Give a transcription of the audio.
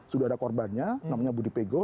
sudah ada korbannya namanya budi pego